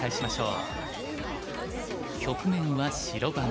局面は白番。